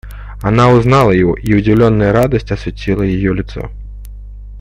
Она узнала его, и удивленная радость осветила ее лицо.